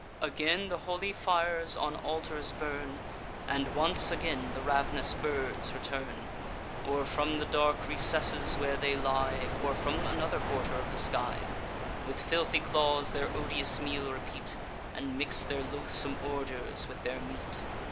Again the holy fires on altars burn; And once again the rav'nous birds return, Or from the dark recesses where they lie, Or from another quarter of the sky; With filthy claws their odious meal repeat, And mix their loathsome ordures with their meat.